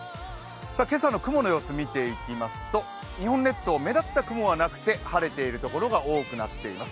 今朝の雲の様子を見ていきますと日本列島、目立った雲はなくて晴れている所が多くなっています。